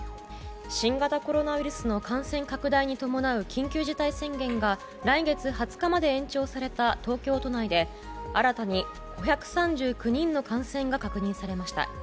新型コロナウイルスの感染拡大に伴う緊急事態宣言が来月２０日まで延長された東京都内で新たに５３９人の感染が確認されました。